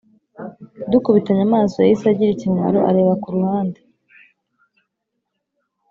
Dukubitanye amaso yahise agira ikimwaro areba kuruhande